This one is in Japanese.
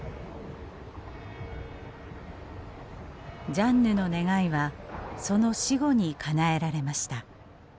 ジャンヌの願いはその死後にかなえられました。